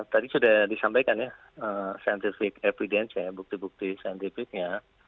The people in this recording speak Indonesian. tadi sudah disampaikan ya scientific evidence ya bukti bukti scientific nya